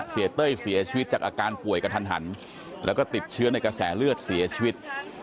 เต้ยเสียชีวิตจากอาการป่วยกระทันหันแล้วก็ติดเชื้อในกระแสเลือดเสียชีวิต